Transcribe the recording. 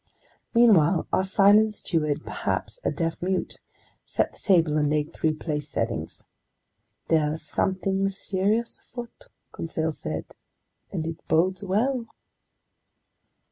Meanwhile our silent steward, perhaps a deaf mute, set the table and laid three place settings. "There's something serious afoot," Conseil said, "and it bodes well."